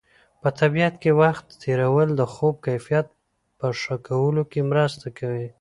په طبیعت کې وخت تېرول د خوب کیفیت په ښه کولو کې مرسته کوي.